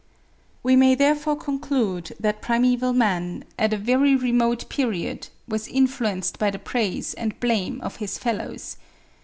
We may therefore conclude that primeval man, at a very remote period, was influenced by the praise and blame of his fellows.